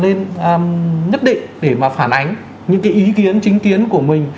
nên nhất định để mà phản ánh những cái ý kiến chính kiến của mình